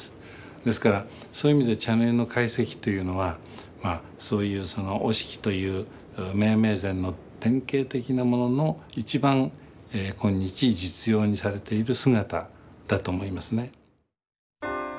ですからそういう意味で茶の湯の懐石というのはそういう折敷というめいめい膳の典型的なものの一番今日実用にされている姿だと思いますね。